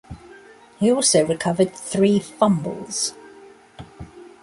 He also recovered three fumbles.